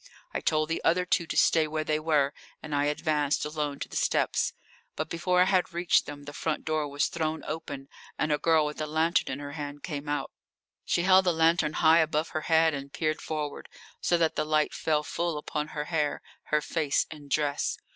I told the other two to stay where they were, and I advanced alone to the steps, but before I had reached them the front door was thrown open, and a girl with a lantern in her hand came out. She held the lantern high above her head and peered forward, so that the light fell full upon her hair, her face, and dress.